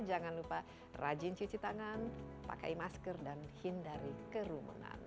jangan lupa rajin cuci tangan pakai masker dan hindari kerumunan